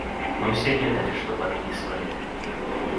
Мы ўсе ведалі, што падпісвалі.